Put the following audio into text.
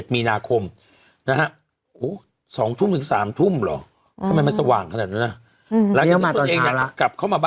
มันก็ไม่ส่วนรวม